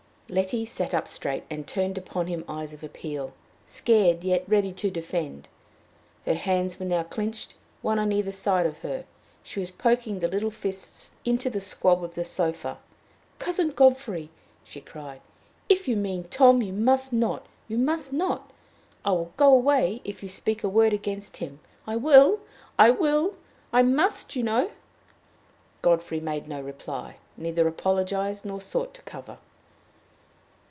Letty sat straight up, and turned upon him eyes of appeal, scared, yet ready to defend. Her hands were now clinched, one on each side of her; she was poking the little fists into the squab of the sofa. "Cousin Godfrey!" she cried, "if you mean Tom, you must not, you must not. I will go away if you speak a word against him. I will; I will. I must, you know!" Godfrey made no reply neither apologized nor sought to cover.